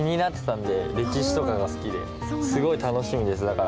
すごい楽しみですだから。